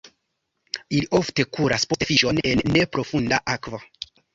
Ili ofte kuras post fiŝon en neprofunda akvo.